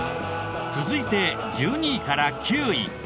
続いて１２位から９位。